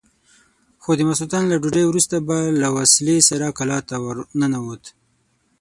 خو د ماخستن له ډوډۍ وروسته به له وسلې سره کلا ته ورننوت.